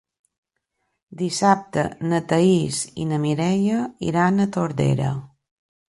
Dissabte na Thaís i na Mireia iran a Tordera.